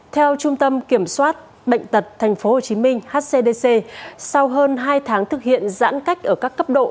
theo trung tâm kiểm soát bệnh tật tp hcm hcdc sau hơn hai tháng thực hiện giãn cách ở các cấp độ